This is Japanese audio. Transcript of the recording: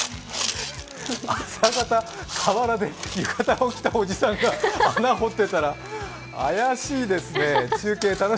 朝方、河原で浴衣を着たおじさんが穴掘ってたら、怪しいですね。